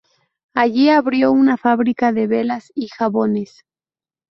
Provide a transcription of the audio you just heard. Allí abrió una fábrica de velas y jabones.